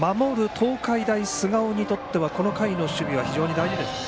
東海大菅生にとってはこの回の守備は非常に大事ですね。